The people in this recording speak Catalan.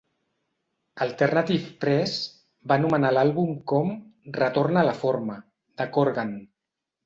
"Alternative Press" va anomenar l'àlbum com "retorn a la forma" de Corgan.